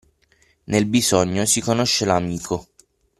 Nel bisogno si conosce l'amico.